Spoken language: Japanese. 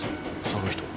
その人は？